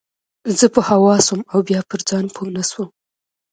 زه په هوا سوم او بيا پر ځان پوه نه سوم.